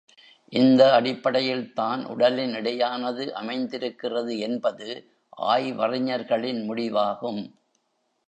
இந்த அடிப்படையில் தான் உடலின் எடையானது அமைந்திருக்கிறது என்பது ஆய்வறிஞர்களின் முடிவாகும்.